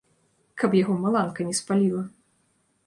Каб яго маланка не спаліла!